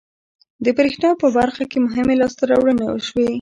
د بریښنا په برخه کې مهمې لاسته راوړنې وشوې.